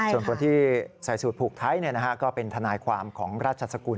ส่วนคนที่ใส่สูตรผูกไทยก็เป็นทนายความของราชสกุล